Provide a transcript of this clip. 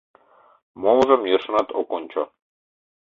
Молыжым йӧршынат ок ончо.